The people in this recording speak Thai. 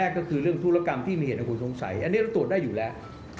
ก็คือเรื่องธุรกรรมที่มีเหตุและคุณสงสัยอันนี้เราตรวจได้อยู่แล้ว